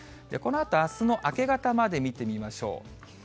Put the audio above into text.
このあとあすの明け方まで見てみましょう。